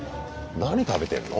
何食べてんの？